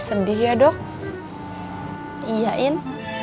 eh udah ada orang